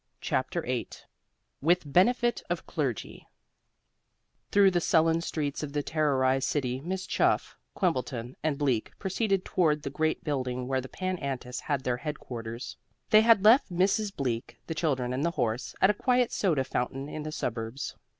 CHAPTER VIII WITH BENEFIT OF CLERGY Through the sullen streets of the terrorized city Miss Chuff, Quimbleton and Bleak proceeded toward the great building where the Pan Antis had their headquarters. They had left Mrs. Bleak, the children and the horse at a quiet soda fountain in the suburbs.